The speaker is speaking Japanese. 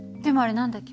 何だっけ？